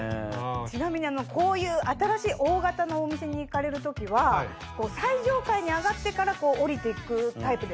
ちなみにこういう新しい大型のお店に行かれる時は最上階に上がってから下りて行くタイプですか？